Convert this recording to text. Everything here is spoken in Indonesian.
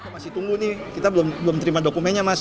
masih tunggu nih kita belum terima dokumennya mas